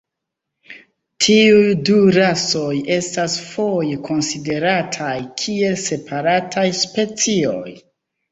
Tiuj du rasoj estas foje konsiderataj kiel separataj specioj.